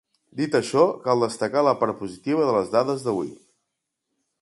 Dit això, cal destacar la part positiva de les dades d’avui.